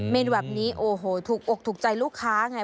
เมนูแบบนี้โอ้โหถูกอกถูกใจลูกค้าไง